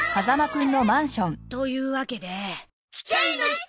おーっ！というわけで。来ちゃいました！